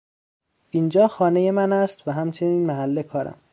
اینجا خانهی من است و همچنین محل کارم.